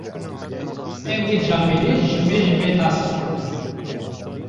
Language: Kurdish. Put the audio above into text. Em wî camêrî ji mêj ve nasdikin.